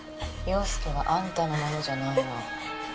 陽佑はあんたの物じゃないの。